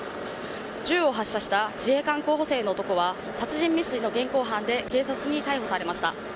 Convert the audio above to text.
銃を発射した自衛官候補生の男は殺人未遂の現行犯で警察に逮捕されました。